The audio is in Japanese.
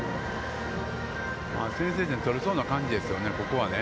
先制点を取れそうな感じですよね、ここはね。